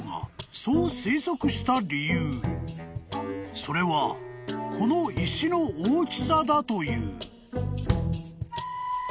［それはこの石の大きさだという］